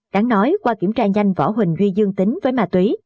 đáng nói qua kiểm tra nhanh võ huỳnh duy dương tính với ma túy